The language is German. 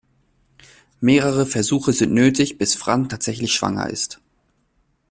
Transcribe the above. Mehrere Versuche sind nötig, bis Fran tatsächlich schwanger ist.